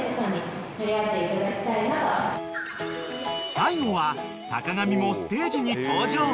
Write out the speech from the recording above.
［最後は坂上もステージに登場］